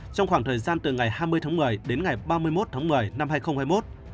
trong khoảng thời gian từ ngày hai mươi tháng một mươi đến ngày ba mươi một tháng một mươi năm hai nghìn hai mươi một